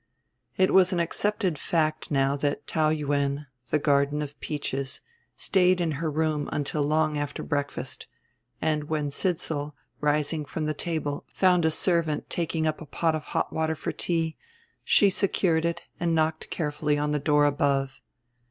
It was an accepted fact now that Taou Yuen, the Garden of Peaches, stayed in her room until long after breakfast; and when Sidsall, rising from the table, found a servant taking up a pot of hot water for tea, she secured it and knocked carefully on the door above.